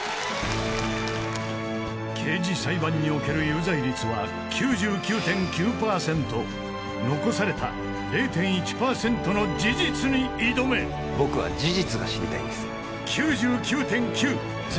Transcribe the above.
刑事裁判における有罪率は９９．９％残された０．１％の事実に挑め僕は事実が知りたいんです